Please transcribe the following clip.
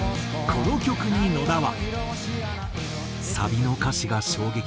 この曲に野田は。